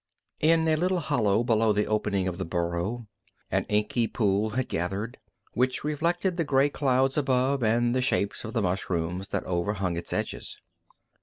In a little hollow below the opening of the burrow an inky pool had gathered, which reflected the gray clouds above and the shapes of the mushrooms that overhung its edges.